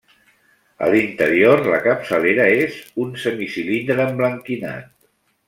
A l'interior, la capçalera és un semicilindre emblanquinat.